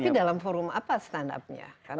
tapi dalam forum apa stand upnya